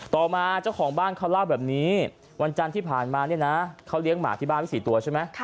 ต่อมาเจ้าของบ้านเขาเล่าแบบนี้วันจันทร์ที่ผ่านมาเนี่ยนะเขาเลี้ยงหมาที่บ้านไว้๔ตัวใช่ไหม